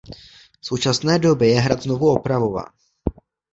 V současné době je hrad znovu opravován.